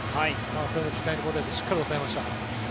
その期待に応えてしっかり抑えました。